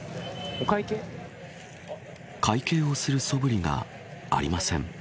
会計をするそぶりがありません。